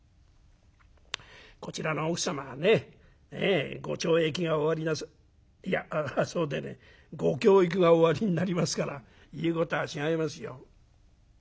「こちらの奥様はねごちょうえきがおありいやそうでねえご教育がおありになりますから言うことは違いますよ」。